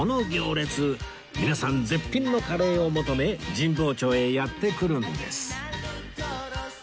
皆さん絶品のカレーを求め神保町へやって来るんです